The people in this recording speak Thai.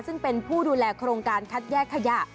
ซึ่งเป็นผู้ดูแลโครงการคัดแยกขยะ